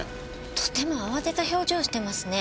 とても慌てた表情をしてますね。